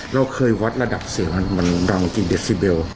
เราเคยวัดระดับเสียงมันดังกินเดซิเบล